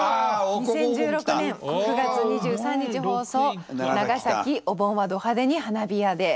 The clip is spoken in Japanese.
２０１６年９月２３日放送「長崎お盆はド派手に花火屋で」。